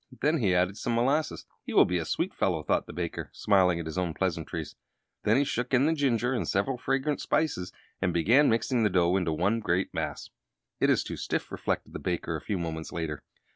Then he added some molasses. "He will be a sweet fellow," thought the baker, smiling at his own pleasantries. Then he shook in the ginger and several fragrant spices, and began mixing the dough into one great mass. "It is too stiff," reflected the baker, a few moments later.